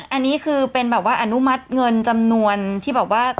อันนี้คือเป็นอนุมัติเงินจำนวนที่บอกว่า